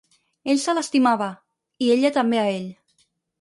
Ell se l'estimava, i ella també a ell.